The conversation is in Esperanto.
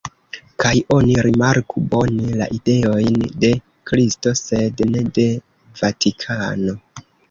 Kaj oni rimarku bone: la ideojn de Kristo sed ne de Vatikano.